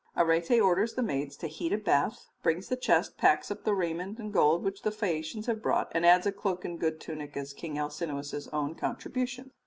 Arete orders the maids to heat a bath, brings the chest, packs up the raiment and gold which the Phaeacians have brought, and adds a cloak and a good tunic as King Alcinous's own contribution.